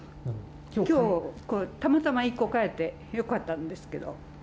きょう、たまたま１個買えて、よかったんですけど。